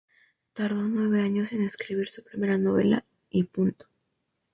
Tardó nueve años en escribir su primera novela, Y punto.